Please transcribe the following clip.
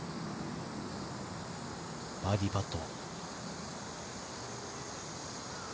バーディーパット。